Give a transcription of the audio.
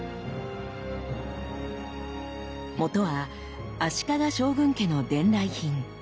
もとは足利将軍家の伝来品。